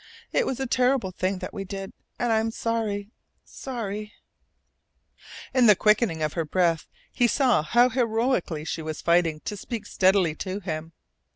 "It was a terrible thing that we did, and I am sorry sorry " In the quickening of her breath he saw how heroically she was fighting to speak steadily to him.